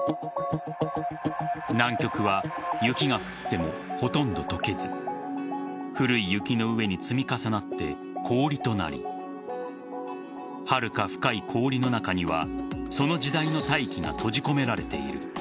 南極は雪が降ってもほとんど解けず古い雪の上に積み重なって氷となりはるか深い氷の中にはその時代の大気が閉じ込められている。